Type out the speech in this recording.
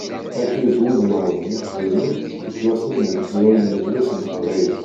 Akked wudmawen iqdimen yettwassnen deg tẓuri d yidles n teqbaylit.